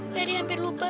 mary hampir lupa